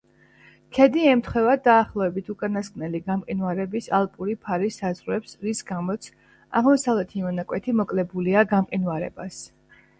ქედი ემთხვევა დაახლოებით უკანასკნელი გამყინვარების ალპური ფარის საზღვრებს, რის გამოც აღმოსავლეთი მონაკვეთი მოკლებულია გამყინვარებას.